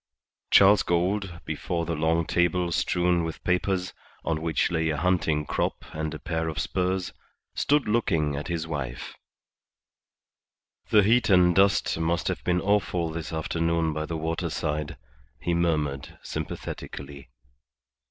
Charles Gould, before the long table strewn with papers, on which lay a hunting crop and a pair of spurs, stood looking at his wife: "The heat and dust must have been awful this afternoon by the waterside," he murmured, sympathetically.